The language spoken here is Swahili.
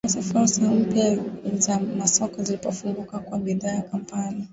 Wakati fursa mpya za masoko zilipofunguka kwa bidhaa za Kampala.